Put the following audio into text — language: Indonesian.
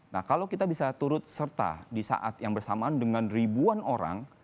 nah kalau kita bisa turut serta di saat yang bersamaan dengan ribuan orang